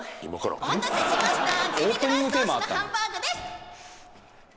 お待たせしましたデミグラスソースのハンバーグです